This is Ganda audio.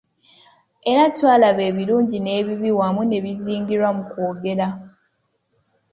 Era twalaba ebirungi n'ebibi wamu n'ebizingirwa mu kwogera.